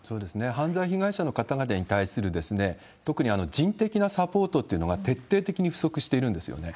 犯罪被害者の方々に対する特に人的なサポートっていうのが徹底的に不足してるんですよね。